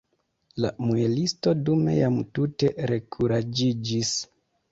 La muelisto dume jam tute rekuraĝiĝis.